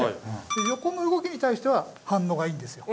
で横の動きに対しては反応がいいんですよ。